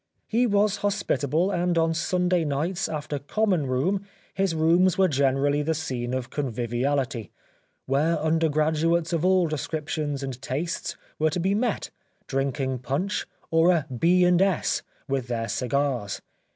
He was hospitable, and on Sunday nights after " Common Room " his rooms were generally the scene of conviviality, where under graduates of all descriptions and tastes were to be met, drinking punch, or a " B. and S.," with their cigars.